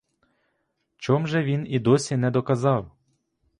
Чом же він і досі не доказав?